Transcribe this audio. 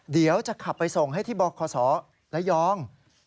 เดี๋ยวจะขับไปส่งให้ที่บอกขอสอและยอง